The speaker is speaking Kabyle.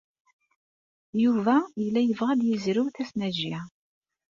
Yuba yella yebɣa ad yezrew tasnajya.